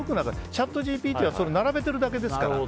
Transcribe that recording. チャットＧＰＴはそれを並べているだけですから。